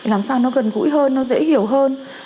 làm sao nó gần gũi hơn nó dễ hiểu hơn